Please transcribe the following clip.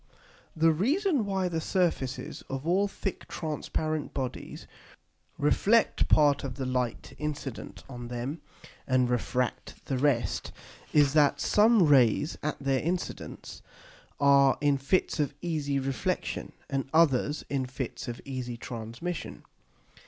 _The reason why the Surfaces of all thick transparent Bodies reflect part of the Light incident on them, and refract the rest, is, that some Rays at their Incidence are in Fits of easy Reflexion, and others in Fits of easy Transmission.